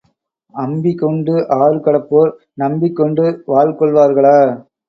அம்பி கொண்டு ஆறு கடப்போர் நம்பிக்கொண்டு வால் கொள்வார்களா?